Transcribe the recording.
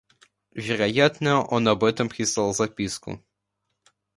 Вероятно, он об этом прислал записку.